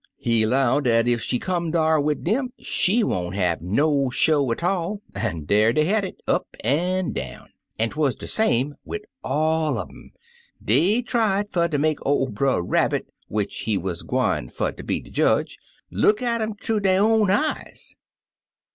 He 'low dat ef she come dar wid dem, she won't have no show a tall, an' dar dey had it, up an' down. An' 'twuz de same way wid all un imi; dey tried fer ter make oV Brer Rabbit, which he wuz gwine fer ter be de judge, look at um thoo dey own eyes.